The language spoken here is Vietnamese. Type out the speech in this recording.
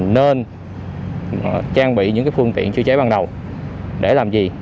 nên trang bị những phương tiện chữa cháy ban đầu để làm gì